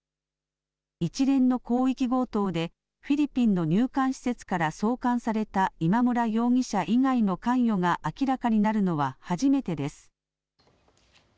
一連の広域強盗でフィリピンの入管施設から送還された今村容疑者以外の関与が明らかになるのは初めてです。